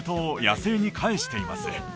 野生に返しています